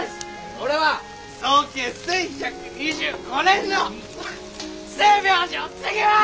俺は創建１，１２５年の星明寺を継ぎます！